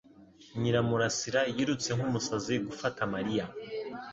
Nyiramurasira yirutse nk'umusazi gufata Mariya.